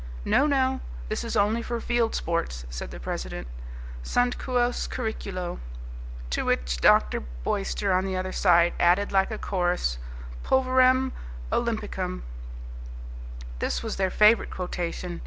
"No, no; this is only for field sports," said the president; "sunt quos curriculo " To which Dr. Boyster on the other side added, like a chorus, "pulverem Olympicum." This was their favourite quotation.